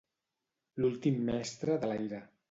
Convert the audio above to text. L'últim mestre de l'aire.